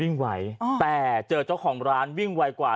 ไหวแต่เจอเจ้าของร้านวิ่งไวกว่า